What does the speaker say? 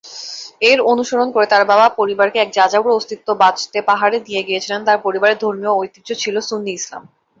এর অনুসরণ করে তার বাবা পরিবারকে এক যাযাবর অস্তিত্ব বাঁচতে পাহাড়ে নিয়ে গিয়েছিলেন তার পরিবারের ধর্মীয় ঐতিহ্য ছিল সুন্নি ইসলাম।